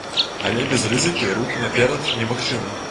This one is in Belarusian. Але без рызыкі рух наперад немагчымы.